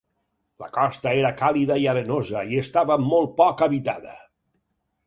La costa era càlida i arenosa i estava molt poc habitada.